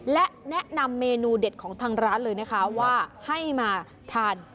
และแนะนำเมนูเด็ดของทางร้านเลยนะคะว่าให้มาทาน